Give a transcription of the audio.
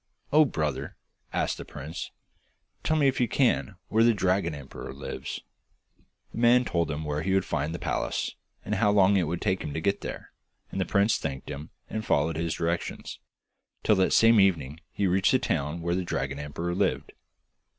'Oh, brother!' asked the prince, 'tell me, if you can, where the dragon emperor lives?' The man told him where he would find the palace, and how long it would take him to get there, and the prince thanked him, and followed his directions, till that same evening he reached the town where the dragon emperor lived.